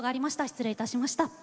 失礼いたしました。